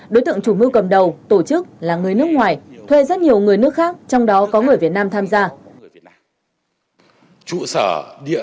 đối tượng chủ mưu cầm đầu tổ chức là người nước ngoài thuê rất nhiều người nước khác trong đó có người việt nam tham gia